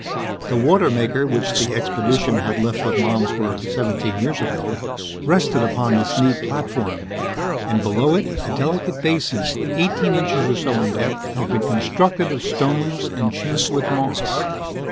The water maker which the expedition had left with Malmsworth seventeen years ago rested upon this neat platform, and below it a delicate basin, eighteen inches or so in depth, had been constructed of stones and chinked with moss.